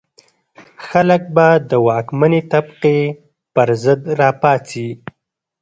خلک به د واکمنې طبقې پر ضد را پاڅي.